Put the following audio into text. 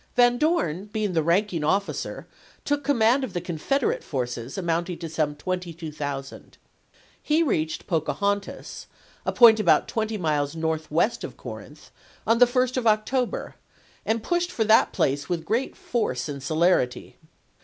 Van Dorn, being the ranking officer, took command of the Confederate forces, amounting to some 22,000. He reached Pocahontas, a point about twenty miles northwest of Corinth, on the 1st of October, and pushed for that place with great force and celerity.